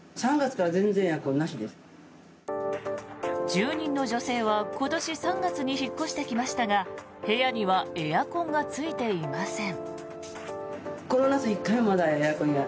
住人の女性は今年３月に引っ越してきましたが部屋にはエアコンがついていません。